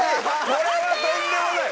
これはとんでもない！